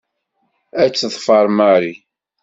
Ad tt-teffer Mary.